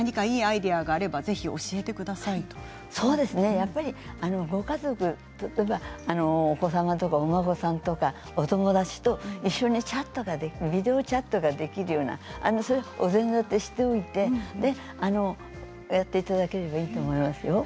やっぱりご家族例えば、お子様とかお孫さんとかお友達と一緒にチャットができるビデオチャットができるようなお膳立てをしておいてやっていただければいいと思いますよ。